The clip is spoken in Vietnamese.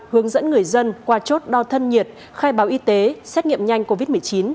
hướng dẫn người dân qua chốt đo thân nhiệt khai báo y tế xét nghiệm nhanh covid một mươi chín